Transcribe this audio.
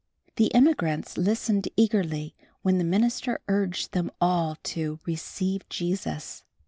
The immigrants listened eagerly, when the minister urged them all to "receive Jesus."